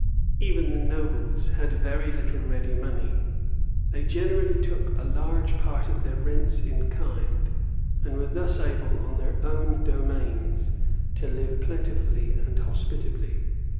Even the nobles had very little ready money. They generally took a large part of their rents in kind, and were thus able, on their own domains, to live plentifully and hospitably.